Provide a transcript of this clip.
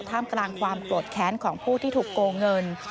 กลางความโกรธแค้นของผู้ที่ถูกโกงเงิน